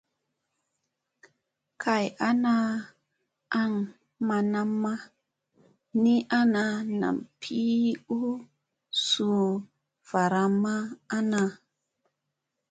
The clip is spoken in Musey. Kay ana an manam ni ana nam ɓii u suu varamma ana.